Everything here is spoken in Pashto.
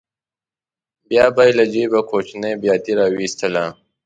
بیا به یې له جېبه کوچنۍ بیاتي راوویسته.